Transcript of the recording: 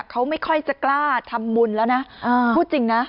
เขาไม่ค่อยจะกล้าทำบุญแล้วนะพูดจริงนะ